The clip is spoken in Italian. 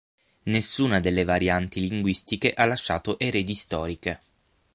Nessuna delle varianti linguistiche ha lasciato eredi storiche.